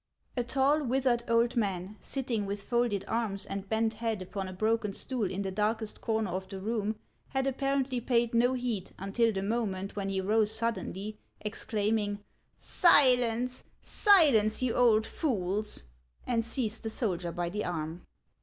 A tall, withered old man, sitting with folded arms and bent head upon a broken stool in the darkest corner of the room, had apparently paid no heed until the moment when he rose suddenly, exclaiming, " Silence, silence, you old fools !" and seized the soldier by the arm.